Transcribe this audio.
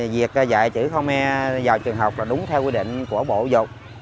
việc dạy chữ khô me vào trường học là đúng theo quy định của bộ dục